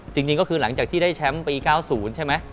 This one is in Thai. จริงก็คือหลังจากที่ได้แชมป์ปี๙๐ใช่ไหม